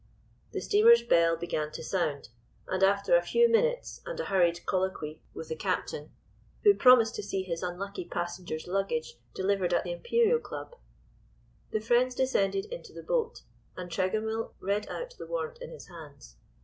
The steamer's bell began to sound, and after a few minutes, and a hurried colloquy with the captain, who promised to see his unlucky passenger's luggage delivered at the Imperial Club, the friends descended into the boat, and Tregonwell read out the warrant in his hands.